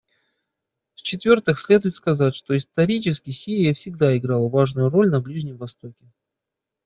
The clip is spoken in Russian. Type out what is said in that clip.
В-четвертых, следует сказать, что исторически Сирия всегда играла важную роль на Ближнем Востоке.